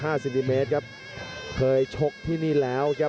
พยายามจะไถ่หน้านี่ครับการต้องเตือนเลยครับ